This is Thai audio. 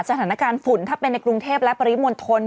สถานการณ์ฝุ่นถ้าเป็นในกรุงเทพและปริมณฑล